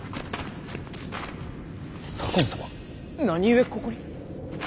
何故ここに？